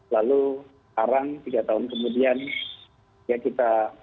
lalu sekarang tiga tahun kemudian ya kita